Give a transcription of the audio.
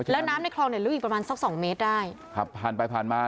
แล้วน้ำในคลองเนี่ยลึกอีกประมาณสักสองเมตรได้ขับผ่านไปผ่านมา